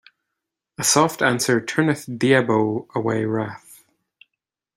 A soft answer turneth diabo away wrath.